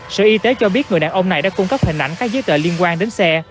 sở y tế cho biết người đàn ông này đã cung cấp hình ảnh các giấy tờ liên quan đến xe